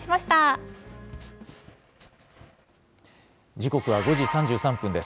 時刻は５時３３分です。